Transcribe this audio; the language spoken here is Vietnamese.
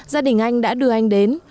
gia đình anh đã đưa anh đến